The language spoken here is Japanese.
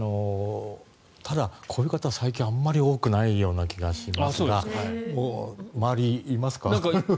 ただ、こういう方は最近あまり多くないような気がしますが周り、いますか？